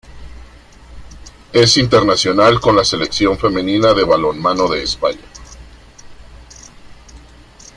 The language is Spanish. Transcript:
Es internacional con la selección femenina de balonmano de España.